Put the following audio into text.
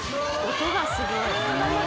音がすごい。